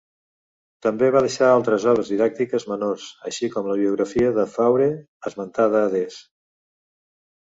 També va deixar altres obres didàctiques menors, així com la biografia de Fauré esmentada adés.